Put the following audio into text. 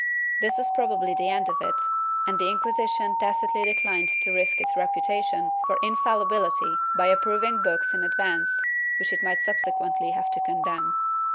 ^ This was probably the end of it, and the Inquisi tion tacitly declined to risk its reputation for infallibility by approving books in advance, which it might subsequently have to condemn.